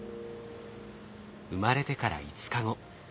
生まれてから５日後。